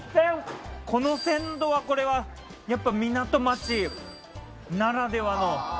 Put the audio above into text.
この鮮度はこれはやっぱ港町ならではの。